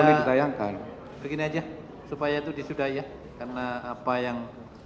dipercayakan begini aja supaya itu disudahi ya karena apa yang